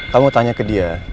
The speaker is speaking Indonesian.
kamu tanya ke dia